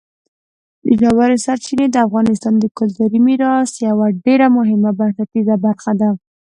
ژورې سرچینې د افغانستان د کلتوري میراث یوه ډېره مهمه او بنسټیزه برخه ده.